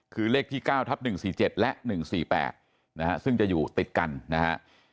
คือเลขที่เก้าทับหนึ่งสี่เจ็ดและหนึ่งสี่แปดนะฮะซึ่งจะอยู่ติดกันนะฮะ